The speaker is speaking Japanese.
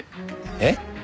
えっ！？